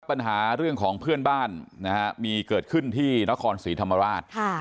ปัญหาเรื่องของเพื่อนบ้านนะฮะมีเกิดขึ้นที่นครศรีธรรมราช